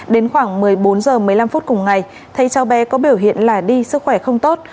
đến khoảng một mươi bốn h một mươi năm phút cùng ngày thấy cháu bé có biểu hiện là đi sức khỏe không tốt